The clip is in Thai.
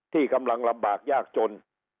ที่กำลังลำบากยากจน